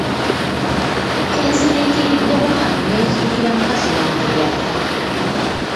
Ke nsiriikiriddemu kano ne nzijukira mukazi wange eyafa.